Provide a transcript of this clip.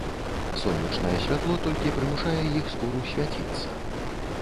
Сонечнае святло толькі прымушае іх скуру свяціцца.